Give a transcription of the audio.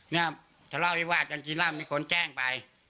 เนี่ยทะเลาะวิวาสจันทรีย์ร่ำมีคนแจ้งไป